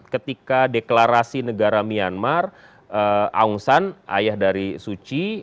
ketika deklarasi negara myanmar aung san ayah dari suci